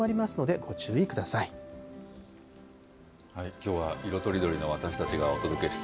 きょうは色とりどりの私たちがお届けした